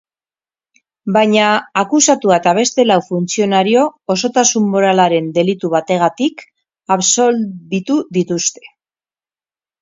Baina akusatua eta beste lau funtzionario osotasun moralaren delitu bategatik absolbitu dituzte.